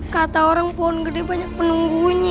kata orang pohon gede banyak penunggunyi